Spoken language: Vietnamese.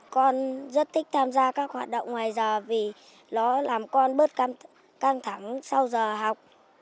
con rất thích tham gia các hoạt động ngoài giờ vì nó làm con bớt căng thẳng sau giờ học